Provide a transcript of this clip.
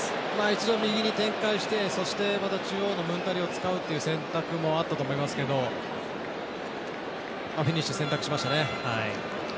一度、右に展開してまた中央のムンタリを使うっていう選択もあったと思いますけどフィニッシュ、選択しましたね。